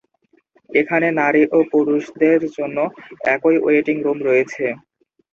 এখানে নারী ও পুরুষদের জন্য একই ওয়েটিং রুম রয়েছে।